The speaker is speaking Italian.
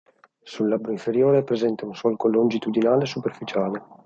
Sul labbro inferiore è presente un solco longitudinale superficiale.